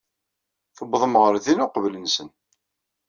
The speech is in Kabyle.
Tuwḍem ɣer din uqbel-nsen.